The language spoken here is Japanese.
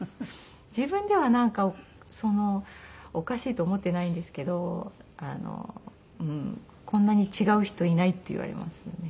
自分ではなんかおかしいと思ってないんですけどこんなに違う人いないって言われますね。